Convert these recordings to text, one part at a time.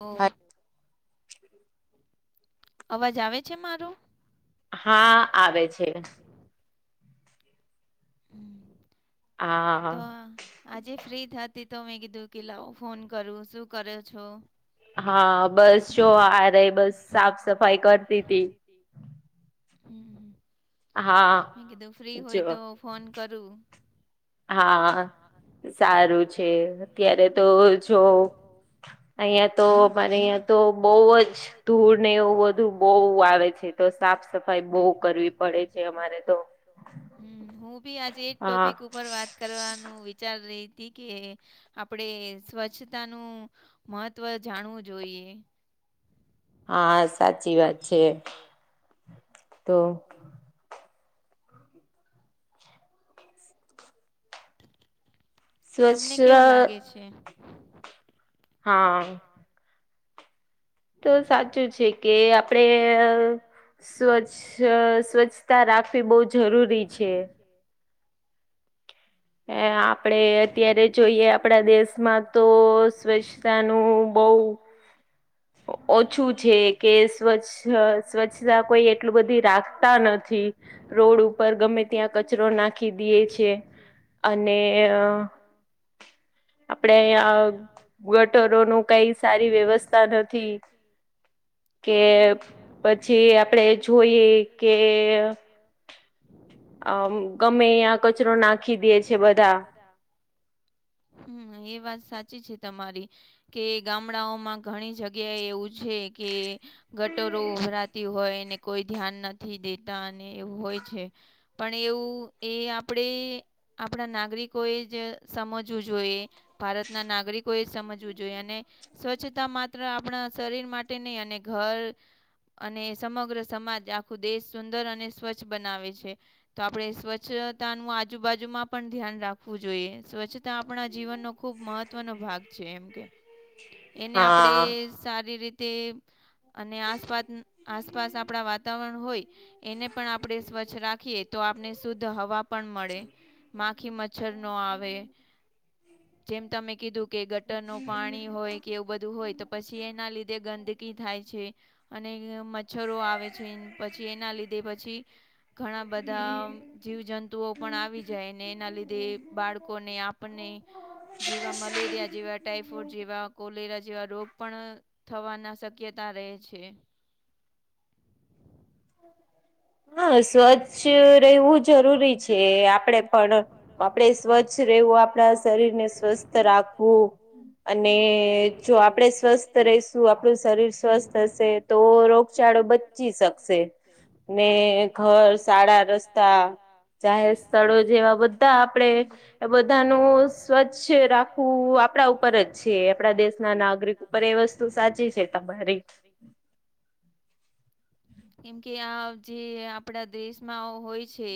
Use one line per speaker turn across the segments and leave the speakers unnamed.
ઓ
[unintelligible]
અવાજ આવે છે, મારો?
હા આવે છે.
હમ તો આજે ફ્રી થતી તો મેં કીધું કે લાવ ફોન કરું શું કરો છો?
હા બસ જો આરે બસ સાફ સફાઈ કરતીતી
હમ. મે કીધું ફ્રી હોય તો ફોન કરું
હા સારું છે, અત્યારે તો જો
અહિયાં તો મરે અહિયાં તો બો જ ધૂર ને એવું બધું બો આવે સાફ સફાઈ બો કરવી પડે છે, તો હું બી આજે એક ટોપિક ઉ પર વાત કરવાનું વિચાર રહીતી કે આપણડે સ્વચ્છતાનું મહત્વ જાણવું જોઈએ
હા સાચી વાત છે, તો
તમને કેવું લાગે છે?
હા. તો સાચું છે, કે આપણેે સ્વચ્છ સ્વચ્છ તા રાખવી બો જરૂરી છે.
[unintelligible] અત્યારે જોઈએ દેશમાં તો સ્વચ્છતાનું બો [inaudible]
ઓછું છે, કે સ્વચ્છ સ્વચ્છતા કોઈ એટલું બધી રાખતા નથી. રોડ ઉપર ગમે ત્યાં કચરો નાખી દીએ છે. અને આપડે અયા ગટરોનું કઈ સારી વ્યવસ્થા ન
તા નથી.
કે પછી આપડે જોઈએ કે અ ગમે અયા કચરો નાખી દે છે, બધા
હમ એ વાત સાચી છે, તમારી કે ગામડાઓમાં ઘણી જગ્યાએ એવું છે કે ગટરો ભરાતી એને કોઈ ધ્યાન નથી દેતા એવું હોય છે. પણ એવું એ આપણી આપણેે આપણા નાગરિક કોઈ એ જ સમજવું જોઈએ ભારતના નાગરિકો એ સમજવું જોઈએ અને સ્વચ્છતા માત્ર આપણા શરીર માટે નહીં અને ઘર અને સમગ્ર સમાજ આખું દેશ સુંદર અને સ્વચ્છ બનાવે છે. તો, આપણે સ્વચ્છતા નું પણ આજુબાજુમાં પણ ધ્યાન રાખવું જોઈએ. સ્વચ્છતા આપણા જીવનનો ખૂબ મહત્વનો ભાગ છે કે એને આપણે સારી રીતે અને આસપાસ-આસપાસ આપણા વાતાવરણ હોય. એને પણ આપણે સ્વચ્છ રાખીએ તો આપણે શુદ્ધ હવા શુદ્ધ પણ મળે માખી, મચ્છર ન આવે, જેમ તમે કીધું. કે ગટરનું પાણી હોય કે એવું બધું હોય તો પછી એના લીધે ગંદકી થાય છે. અને મચ્છરો આવે છે પછી એના લીધે પછી ઘણા બધા જીવજંતુઓ પણ જાય અને એના લીધે તે બાળકોને આપણને જેવા મલેરિયા જેવા ટાઈફોઇડ જેવા કોલેરા જેવા રોગ પણ થવાના શક્યતા રહે છે.
હા સ્વચ્છ રહેવું જરૂરી છે. આપણે પણ આપણેે સ્વચ્છ રહેવું આપણા શરીર ને સ્વસ્થ રાખવું. અને જો આપણેે સ્વસ્થ રહીશું, આપણું શરીર સ્વસ્થ હશે. તો રોગચાળો બચી શકશે.
[unintelligible]
ને ઘર શાળા રસ્તા જાહેર સ્થળો જેવા બધા આપણે બધાનું સ્વચ્છ રાખવું આપણા ઉપર જ છે આપણા દેશના નાગરિકો પણ વસ્તું એ સાચી તમારી.
કેમ કે, આ જે આપણા દેશમાં હોય છે.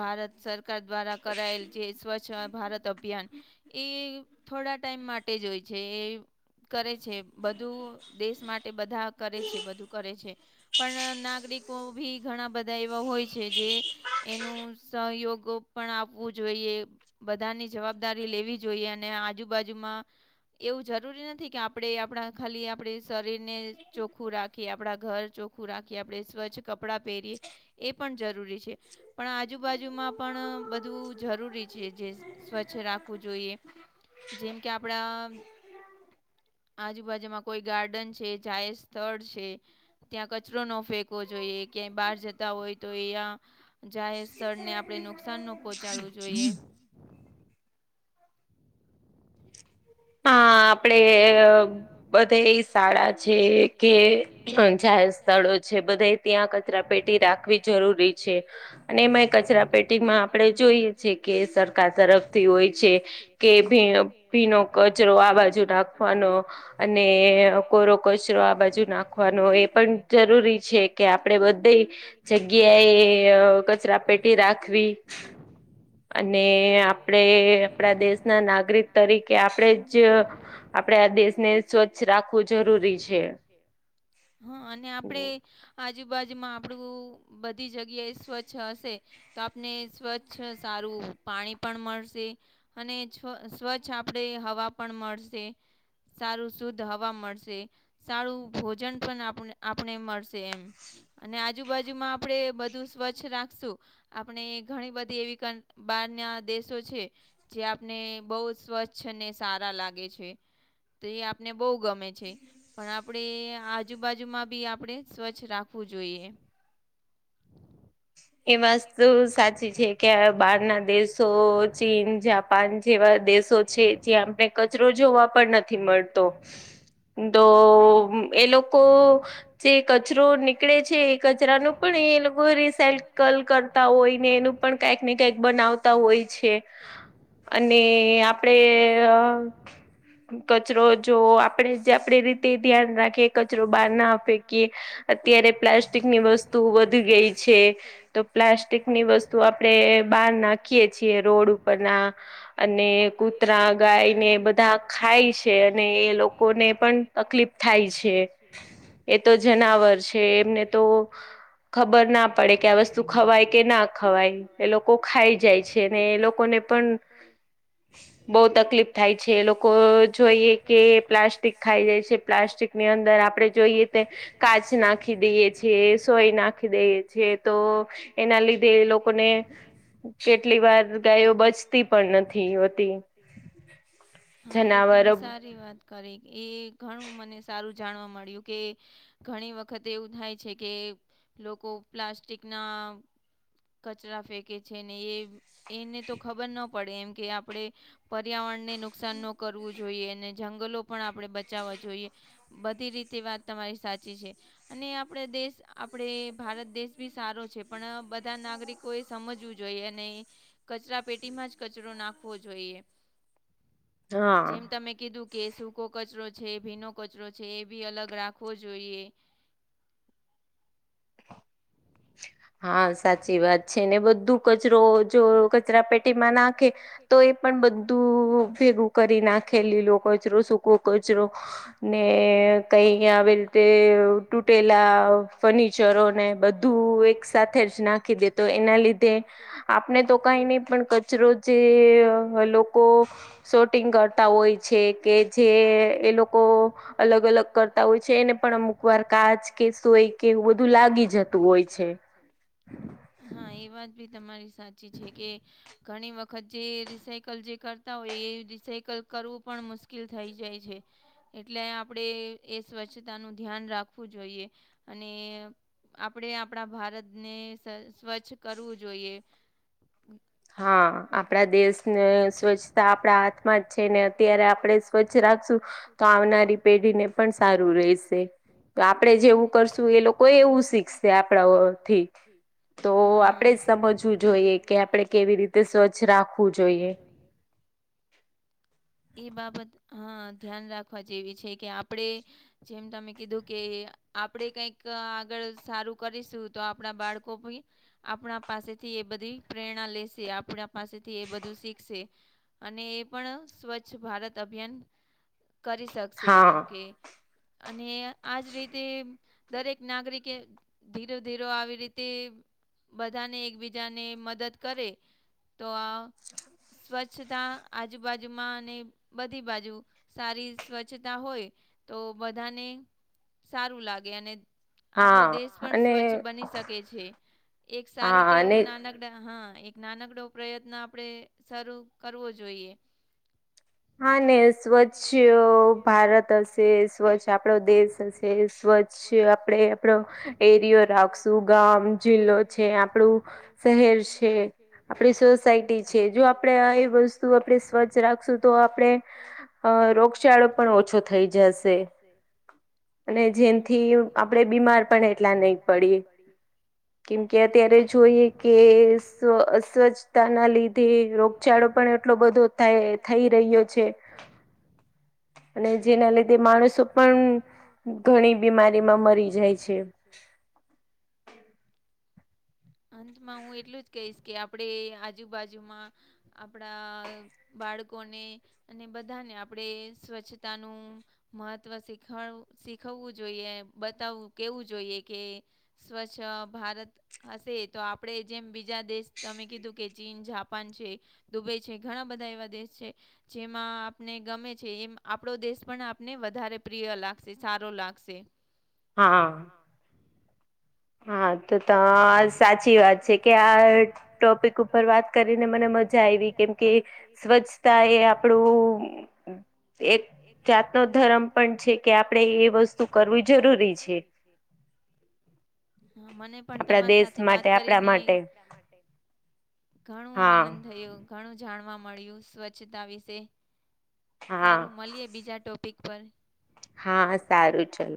ભારત સરકાર દ્વારા કરાયેલ છે સ્વચ્છ ભારત અભિયાન એ થોડા ટાઈમ માટે જ હોય છે. એ કરે છે. બધુ દેશ માટે બધા કરે છે. બધુ કરે છે પણ નાગરિકો પણ ઘણા બધા એવા હોય. છે જે એનું સહયોગો પણ આપવું જોઈએ બધાની જવાબદારી લેવી જોઈએ અને આજુબાજુમાં એવું જરૂરી નથી કે આપણે આપણા ફક્ત આપણા શરીરને ચોખ્ખું ચોખ્ખું રાખીએ આપણે ઘર ચોખ્ખું રાખીએ આપણે સ્વચ્છ કપડાં પહેરીએ એ પણ જરૂરી છે. પણ આજુબાજુમાં પણ બધું જરૂરી છે જે સ્વચ્છ રાખવું જોઈએ. જેમ કે, આપણા આજુબાજુમાં કોઈ ગાર્ડન છે. જાહેર સ્થળ છે, ત્યાં કચરો ન ફેંકવો જોઈએ ક્યાં બહાર જતા હોય તો અહિયા જાહેર સ્થળને આપણે નુકસાન ન પહોંચાડવું જોઈએ.
હા આપણે બધા એ શાળા છે કે [unintelligible] સ્થળો છે બધે ત્યાં કચરા પેટી રાખવી જરૂરી છે અને એમાં કચરા પેટીમાં આપણે જોઈએ છે કે સરકાર તરફથી હોય છે કે
[unintelligible]
આ બાજુ નાખવાનો અને સુકો કચરો આ બાજુ નાખવાનો એ પણ જરૂરી છે કે આપડે બધે જગ્યાએ કચરા પેટી રાખવી.
[inaudible]
અને આપડે આપડા દેશના નાગરિક તરીકે આપડે જ આપડા દેશને સ્વચ્છ રાખવું જરૂરી છે.
હા અને આપડે આજુબાજુમાં આપડું બધી જગ્યાએ સ્વચ્છ હશે તો આપને સ્વચ્છ સારું પાણી પણ મળશે અને છ સ્વચ્છ આપડે હવા પણ મળશે. સારું શુદ્ધ હવા મળશે. સારું ભોજન પણ આપને-આપને મળશે એમ. અને આજુબાજુમાં આપડે બધું સ્વચ્છ રાખશું આપણે ઘણી બધા એવી કન્ બહારના દેશો છે જે આપને બહુ સ્વચ્છ ને સારા લાગે છે તો એ આપને બહુ ગમે છે પણ આપડે આજુબાજુમાં બી આપડે સ્વચ્છ રાખવું જોઈએ.
એ વસ્તુ સાચી છે કે બહારના દેશો ચીન જા પાન જેવા દેશો છે જ્યા આપણે કચરો જોવા પણ નથી મળતો. તો એ લોકો જે કચરો નીકળે છે કચરાનું પણ એ લોકો રિસાયકલ
કલ કરતા હોય ને એનું પણ કાઈક ને કાઈક બનાવતા હોય છે.
અને આપડે કચરો જો આપડે જે આપડે રીતે ધ્યાન રાખીએ કચરો બહાર ના ફેંકીએ અત્યારે પ્લાસ્ટિકની વસ્તુ વધી ગઈ છે તો પ્લાસ્ટિકની વસ્તુ આપડે નાખીએ છીએ રોડ ઉપરન. અને કૂતરા, ગાયને એ બધા ખાય છે અને એ લોકોને પન
પન તકલીફ થાય છે.
એ તો જનાવર છે એમને તો ખબર ના પડે કે આ વસ્તુ ખવાય
[unintelligible] ખવાય કે ના ખવાય એ લોકો ખાઈ જાય છે ને એ લોકોને પણ
બઉ તકલીફ થાય છે એ લોકો જોઈએ કે પ્લાસ્ટિક ખાઈ જાય છે પ્લાસ્ટિક ની અંદર આપડે જોઈએ તે કાચ નાખી દઈએ છીએ, સોય નાખી દઈએ છીએ તો એના લીધે એ લોકોને કેટલી વાર ગાયો બચતી પણ નથી હોતી.
હા એ તમે સારી વાત કરી એ ઘણું મને સારું જાણવા મળ્યું કે ઘણી વખત એવું થાય છે કે લોકો પ્લાસ્ટિકના કચરા ફેંકે છે ને એ એને તો ખબર ન પડે એમ કે આપડે પર્યાવરણને નુકસાન ન કરવું જોઈએ અને જંગલો પણ આપણે બચાવવા જોઈએ. બધી રીતે વાત તમારી સાચી છે. અને આપડે દેશ આપડે ભારત દેશ બી સારો છે પણ બ ધા નાગરિકોએ સમજવું જોઈએ અને કચરા પેટીમાં જ કચરો નાખવો જોઈએ. જેમ તમે કીધું કે સૂકો કચરો છે ભીનો કચરો છે એ ભી અલગ રાખવો જોઈએ.
હા સાચી વાત છે ને બધું કચરો જો કચરા પેટીમાં નાખે તો એ પણ બધું ભેગું કરી નાખે લીલો કચરો, સૂકો કચરો ને કઈ આવેલ તે તૂટેલા ફર્નિચરો ને બ
બધું [unintelligible] એક...
નાખી દે તો એના લીધે આપણે તો કઈ નહી પણ કચરો જે, હલો. કો શોટિંગ કરતા હોય છે કે જે એ લોકો અલગ-અલગ કરતા હોય. છે ને પણ અમુક વાર કાચ કે સોય કે એવું બધું લાગી જતું હોય છે.
હા, એ વાત બી તમારી સાચી છે. કે... ઘણી વખત જે રિસાયકલ જે કરતા હોય એ રિસાયકલ કરવું પણ મુશ્કેલ થઈ જાય છે. એટલે આપણે એ સ્વચ્છતાનું ધ્યાન રાખવું જોઈએ અને આપડે આપડા ભારતને સ્વચ્છ કરવું જોઈએ. હા, આપડા દેશને સ્વચ્છતા આપડા હાથમાં જ છે ને અત્યારે આપણે સ્વચ્છ રાખશું. તો આવનારી પેઢીને પણ સારું રેશે તો આપડે જેવું કરશું એ લોકો એવું શીખશે આપડાથી.
તો આપડે જ સમજવું જોઈએ કે આપડે
કે આપડે કેવી રીતે સ્વચ્છ રાખવું જોઈએ. એ બાબત હા ધ્યાન રાખવા જેવી છે કે આપડે જેમ તમે કીધું કે આપણેે કઈક આગળ સારું કરીશું તો આપણા બાળકો બી આપડા પાસેથી એ બધી પ્રેરણા લેશે આપડા પાસેથી એ બધું શીખશે. અને એ પણ સ્વચ્છ ભારત અભિયાન કરી શકશે એમ કે અને આજ રીતે દરેક નાગરિકે ધીરુ-ધીરુ આવી રીતે બધાને એકબીજાને મદદ કરે તો આ સ્વચ્છતા આજુબાજુમાં ને બધી બાજુ સારી સ્વચ્છતા હોય તો બધાને સારું લાગે અને આપણો દેશ પણ સ્વચ્છ બની શકે છે એક સારી ટેવ નાનક કડા હા એક નાનકડો પ્રયત્ન આપડે શરૂ કરવો જોઈએ.
હા, ને સ્વચ્છ ભારત હશે, સ્વચ્છ આપડો દેશ હશે, સ્વચ્છ છે, આપડે આપડો એરિયો રાખશું ગામ, જિલ્લો છે આપડું શહેર છે, આપડી સોસાયટી છે જો આપડે આ વસ્તુ આપણે સ્વચ્છ રાખશું તો આપણે રોગચાળો પણ ઓછો થઈ જશે. અને જેમ થી આપણેે બીમાર પણ એટલા નહી પડીએ. કેમ કે અત્યારે જોઈએ કે સ્વ-સ્વચ્છતા ના લીધે રોગ ચાળો પણ એટલો બધો થાય.
થઈ રહ્યો છે. [inaudible] અને જેના લીધે માણસો પણ ઘણી બીમારીમાં મરી જાય છે. અંતમાં હું એટલું જ કહીશ કે આપડે આજુબાજુમાં આપડા બાળકોને અને બધાને આપણેે સ્વચ્છતાનું મહત્વ શીખવ-શીખવવું જોઈએ, બતાવવું કેવું જોઈએ કે સ્વચ્છ ભારત હશે તો આપણે જેમ બીજા દેશ તમે કીધું કે, ચીન જાપાન છે. દુબઈ છે, ઘણા બધા દેશ છે. જેમાં આપણને ગમે છે એ આપણો દેશ પણ આપણને વધારે પ્રિય લાગશે, સારો લાગશે. [inaudible]
હા. હા, તો ત સાચી વાત છે કે આ ટોપિક ઉપર વાત કરીને મને મજા આવી. કેમ કે સ્વચ્છતા એ આપણું એક જાતનો ધર્મ પણ છે કે આપણેે એ વસ્તુ કરવી જરૂરી છે.
હા, મને પણ તમારી સાથે વાત કરીને માટે ઘણું આનંદ થયો. ઘણું જાણવા મળ્યું, સ્વચ્છતા વિશે? સારું મલીએ. બીજા ટોપિક પર
હા, સારું. ચલ.